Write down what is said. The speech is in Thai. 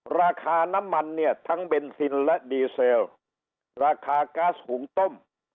ราคาน้ำมันเนี่ยทั้งเบนซินและดีเซลราคาก๊าซหุงต้ม